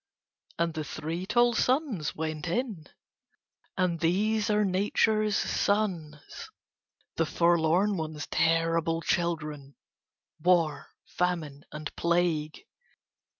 And the three tall sons went in. And these are Nature's sons, the forlorn one's terrible children, War, Famine and Plague.